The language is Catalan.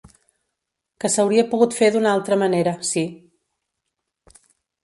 Que s’hauria pogut fer d’una altra manera, sí.